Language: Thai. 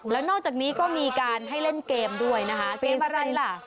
แล้วนอกจากนี้ก็มีการให้เล่นเกมด้วยนะคะเกมอะไรล่ะ